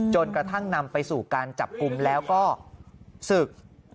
จนกระทั่งนำไปสู่การจับกลุ่มแล้วก็ศึก